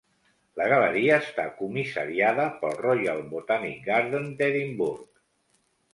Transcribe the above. La galeria està comissariada pel Royal Botanic Garden d'Edimburg.